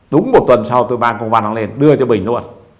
đúng một tuần sau tôi ban công văn nó lên đưa cho bình luôn